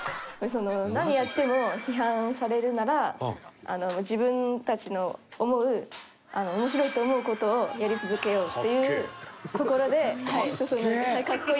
何やっても批判されるなら自分たちの思う面白いと思う事をやり続けようっていう心で。かっけえ！